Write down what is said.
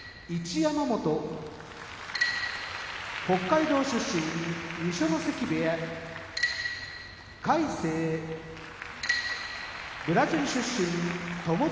山本北海道出身二所ノ関部屋魁聖ブラジル出身友綱部屋